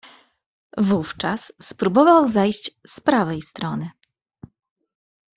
"Wówczas spróbował zajść z prawej strony."